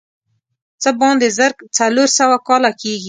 څه باندې زر څلور سوه کاله کېږي.